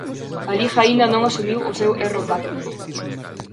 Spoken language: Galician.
A Liga aínda non asumiu o seu erro táctico.